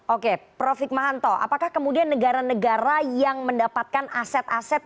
oke prof hikmahanto apakah kemudian negara negara yang mendapatkan aset aset